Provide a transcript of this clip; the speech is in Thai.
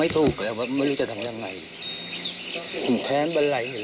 โทษนะครับ